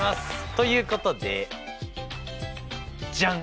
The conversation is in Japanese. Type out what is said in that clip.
ということでジャン！